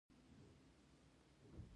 ما ورته وویل: په رخصتۍ راغلی یم.